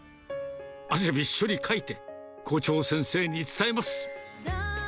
汗びっしょりかいて、校長先生に伝えます。